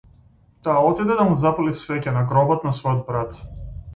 Таа отиде да му запали свеќа на гробот на својот брат.